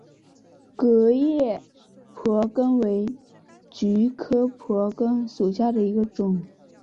革叶蒲儿根为菊科蒲儿根属下的一个种。